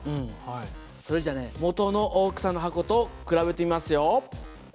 それじゃあね元の大きさの箱と比べてみますよ。